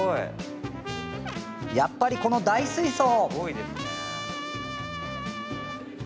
やっぱり、この大水槽！